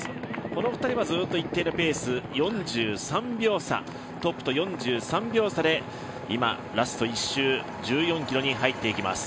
この２人はずっと一定のペーストップと４３秒差で、今、ラスト１周１４ｋｍに入っていきます。